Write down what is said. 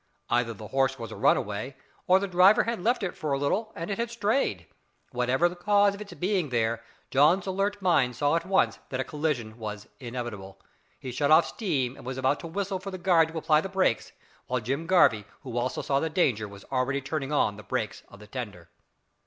Either the horse was a run away, or the driver had left it for a little and it had strayed. Whatever the cause of its being there John's alert mind saw at once that a collision was inevitable. He shut off steam, and was about to whistle for the guard to apply the brakes, while Will Garvie, who also saw the danger, was already turning on the brakes of the tender.